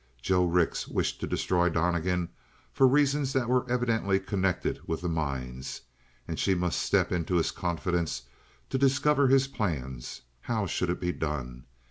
Joe Rix wished to destroy Donnegan for reasons that were evidently connected with the mines. And she must step into his confidence to discover his plans. How should it be done?